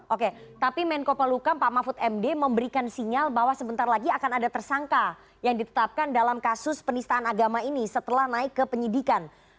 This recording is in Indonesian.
oke tapi menko pelukam pak mahfud md memberikan sinyal bahwa sebentar lagi akan ada tersangka yang ditetapkan dalam kasus penistaan agama ini setelah naik ke penyidikan